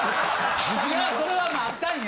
それはまああったんや。